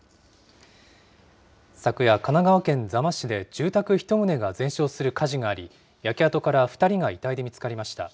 昨夜、神奈川県座間市で住宅１棟が全焼する火事があり、焼け跡から２人が遺体で見つかりました。